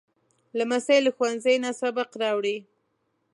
لمسی له ښوونځي نه سبق راوړي.